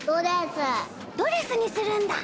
ドレスにするんだ。